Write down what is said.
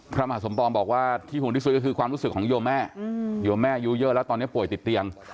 พระมหาสมปองบอกว่าที่ห่วงที่สุดก็คือความรู้สึกของโยมแม่โยมแม่อายุเยอะแล้วตอนนี้ป่วยติดเตียง